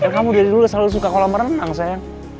kamu dari dulu selalu suka kolam renang saya